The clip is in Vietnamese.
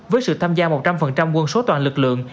với sự tham gia một trăm linh quân số toàn lực lượng